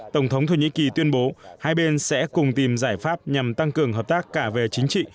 tổng thống thổ nhĩ kỳ tuyên bố hai bên sẽ cùng tìm giải pháp nhằm tăng cường hợp tác cả về chính trị